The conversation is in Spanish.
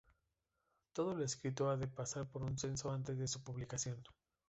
Todo lo escrito ha de pasar por un censor antes de su publicación.